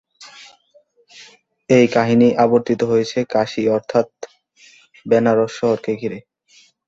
এই কাহিনী আবর্তিত হয়েছে কাশী অর্থাৎ বেনারস শহরকে ঘিরে।